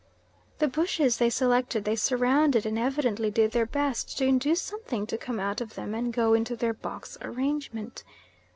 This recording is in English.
The bushes they selected they surrounded and evidently did their best to induce something to come out of them and go into their box arrangement.